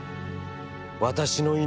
私の命